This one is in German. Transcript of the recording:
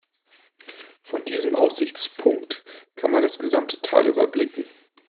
Von diesem Aussichtspunkt kann man das gesamte Tal überblicken.